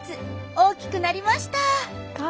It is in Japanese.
大きくなりました。